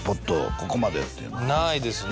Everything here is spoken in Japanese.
ここまでっていうのないですね